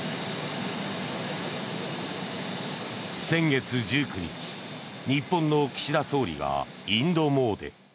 先月１９日日本の岸田総理がインド詣で。